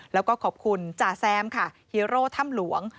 แล้วก็ขอบคุณจ่าแซมค่ะฮีโร่ถ้ำหลวง